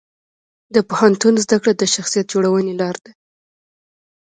د پوهنتون زده کړه د شخصیت جوړونې لار ده.